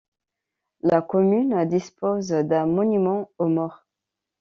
La commune dispose d'un monument aux morts.